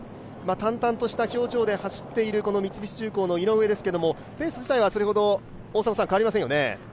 淡々とした表情で走っている三菱重工の井上ですけれども、ペース自体はそれほど変わりませんよね？